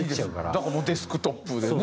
だからデスクトップでね。